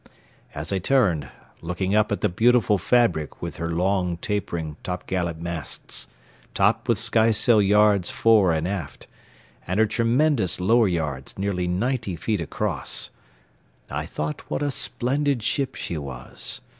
As I turned, looking up at the beautiful fabric with her long, tapering, t'gallant masts, topped with skysail yards fore and aft, and her tremendous lower yards nearly ninety feet across, I thought what a splendid ship she was.